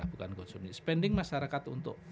bukan spending masyarakat untuk